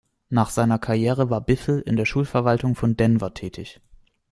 Nach seiner Karriere war Biffle in der Schulverwaltung von Denver tätig.